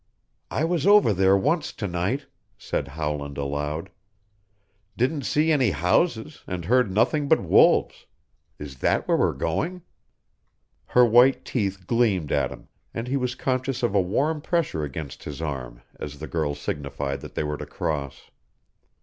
"I was over there once to night," said Howland aloud. "Didn't see any houses and heard nothing but wolves. Is that where we're going?" Her white teeth gleamed at him and he was conscious of a warm pressure against his arm as the girl signified that they were to cross.